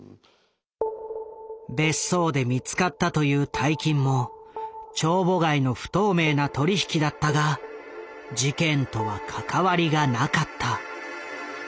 別荘で見つかったという大金も帳簿外の不透明な取り引きだったが事件とは関わりがなかった。